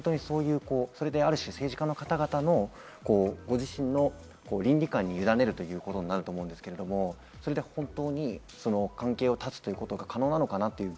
ある種、政治家の方々のご自身の倫理観にゆだねるということになると思うんですけど、それで本当に関係を絶つことが可能なのか。